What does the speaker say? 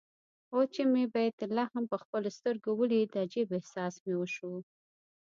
اوس چې مې بیت لحم په خپلو سترګو ولید عجيب احساس مې وشو.